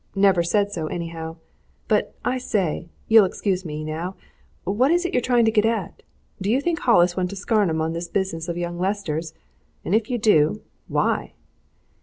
"Never said so, anyhow. But, I say! you'll excuse me, now what is it you're trying to get at? Do you think Hollis went to Scarnham on this business of young Lester's? And if you do, why?"